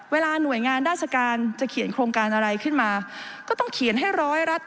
เวลาหน่วยงานราชการจะเขียนโครงการอะไรขึ้นมาก็ต้องเขียนให้ร้อยรัฐ